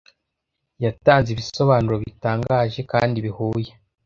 Yatanze ibisobanuro bitangaje kandi bihuye